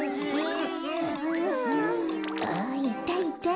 あっいたいた。